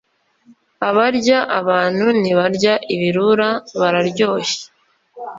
Abarya abantu ntibarya ibirura bararyoshye